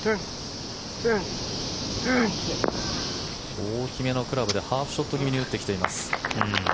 大きめのクラブでハーフショット気味に打ってきています。